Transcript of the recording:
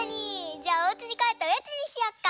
じゃあおうちにかえっておやつにしよっか。